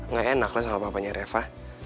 ngeenak lah sama papanya reva